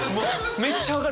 めっちゃ分かる。